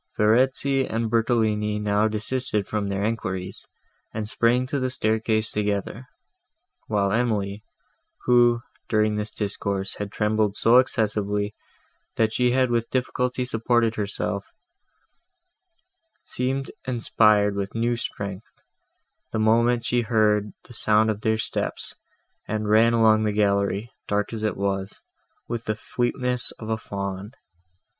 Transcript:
Verezzi and Bertolini now desisted from their enquiries, and sprang to the staircase together, while Emily, who, during this discourse, had trembled so excessively, that she had with difficulty supported herself, seemed inspired with new strength, the moment she heard the sound of their steps, and ran along the gallery, dark as it was, with the fleetness of a fawn.